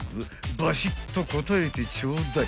［バシッと答えてちょうだい］